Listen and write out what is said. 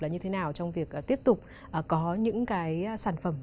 là như thế nào trong việc tiếp tục có những cái sản phẩm